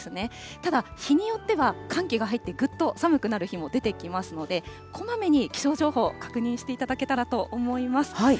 ただ、日によっては寒気が入ってぐっと寒くなる日も出てきますので、こまめに気象情報、確認していただけたらと思います。